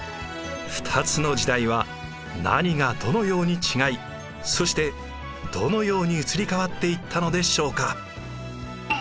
２つの時代は何がどのように違いそしてどのように移り変わっていったのでしょうか。